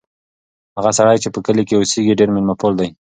هغه سړی چې په کلي کې اوسیږي ډېر مېلمه پال دی.